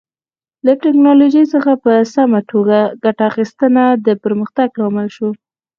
له ټکنالوژۍ څخه په سمه توګه ګټه اخیستنه د پرمختګ لامل شو.